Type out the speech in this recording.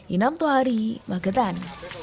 inam tuhari magetan